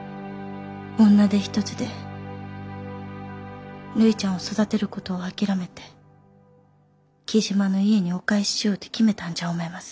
女手一つでるいちゃんを育てることを諦めて雉真の家にお返ししようて決めたんじゃ思います。